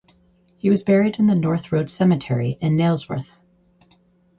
He was buried in the North Road Cemetery in Nailsworth.